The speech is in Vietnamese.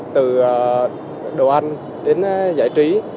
từ đồ ăn đến giải trí